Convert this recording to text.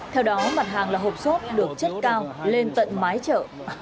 theo đó mặt hàng là hộp sốt được chất cao lên tận mái chợ